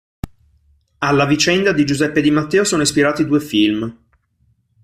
Alla vicenda di Giuseppe Di Matteo sono ispirati due film.